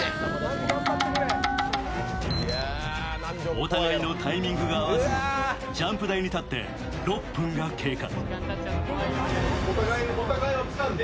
お互いのタイミングが合わず、ジャンプ台に立って６分が経過。